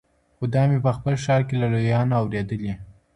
خو دا مي په خپل ښار کي له لویانو اورېدلي